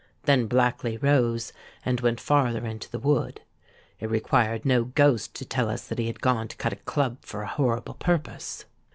Then Blackley rose, and went farther into the wood. It required no ghost to tell us that he had gone to cut a club for a horrible purpose.